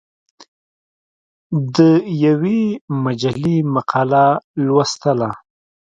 د یوې مجلې مقاله لوستله.